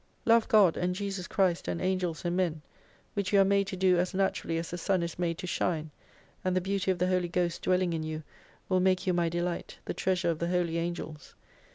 Love God and Jesus Christ and Angels and Men, which you are made to do as naturally as the sun is made to shine, and the beauty of the Holy Ghost dwelling in you will make you my delight, the treasure of the Holy Angels.